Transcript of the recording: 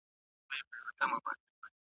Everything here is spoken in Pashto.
روغتیایی رضاکارانو سره مرسته وکړئ.